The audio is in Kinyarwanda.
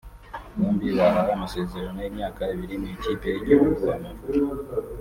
bombi bahawe amasezerano y’imyaka ibiri mu ikipe y’igihugu Amavubi